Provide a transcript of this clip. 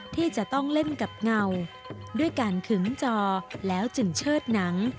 ที่จะต้องเล่นกับเงาด้วยการขึงจอแล้วจึงเชิดหนัง